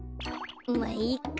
まあいっか。